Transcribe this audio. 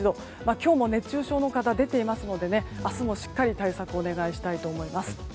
今日も熱中症の方が出ていますので明日もしっかりと対策をお願いしたいと思います。